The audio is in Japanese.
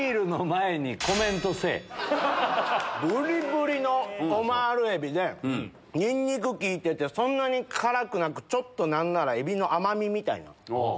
ブリブリのオマールエビでニンニク効いててそんなに辛くなく何ならエビの甘みみたいな。